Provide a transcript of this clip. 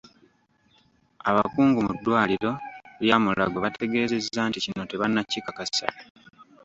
Abakungu mu ddwaliro lya Mulago bategeezezza nti kino tebannakikakasa.